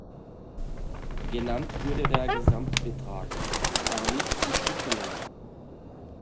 Genannt wurde der Gesamtbetrag, aber nicht die Stückelung.